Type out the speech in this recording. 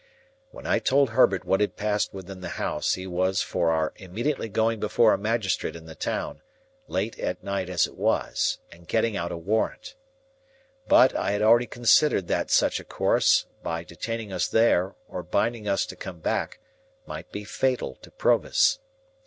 When I told Herbert what had passed within the house, he was for our immediately going before a magistrate in the town, late at night as it was, and getting out a warrant. But, I had already considered that such a course, by detaining us there, or binding us to come back, might be fatal to Provis.